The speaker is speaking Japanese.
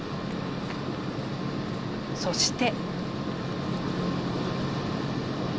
そして。